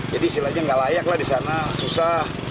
jadi istilahnya nggak layak lah di sana susah